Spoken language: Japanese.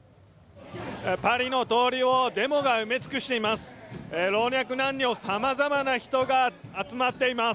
パリの通りをデモが埋め尽くしています。